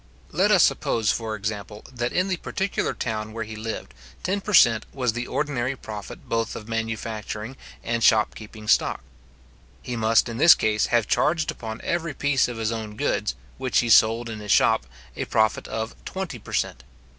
Let us suppose, for example, that in the particular town where he lived, ten per cent. was the ordinary profit both of manufacturing and shopkeeping stock; he must in this case have charged upon every piece of his own goods, which he sold in his shop, a profit of twenty per cent.